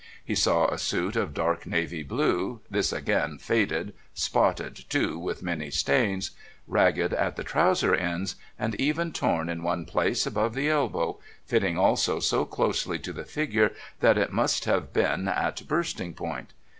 He saw a suit of dark navy blue, this again faded, spotted too with many stains, ragged at the trouser ends and even torn in one place above the elbow, fitting also so closely to the figure that it must have been at bursting point.